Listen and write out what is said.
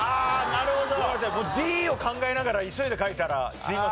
Ｄを考えながら急いで書いたらすいません。